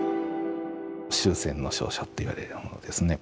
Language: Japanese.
終戦の詔書っていわれるようなものですね。